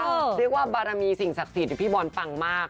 เรียกว่าบารมีสิ่งศักดิ์สิทธิ์พี่บอลปังมาก